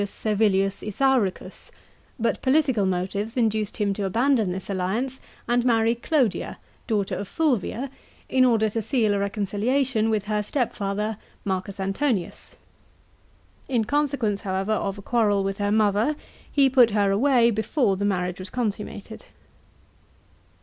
Servilius Isauricus, but political motives induced him to abandon this alliance and marry Clodia, daughter of Fulvia, in order to seal a reconciliation with her stepfather M. Antonius. In consequence, however, of a quarrel with her mother, he put her away before the marriage was consummated.